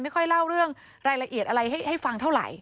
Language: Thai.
ไม่ค่อยเล่าเรื่องรายละเอียดอะไรให้ฟังเท่าไหร่